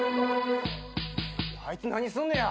あいつ何すんのや。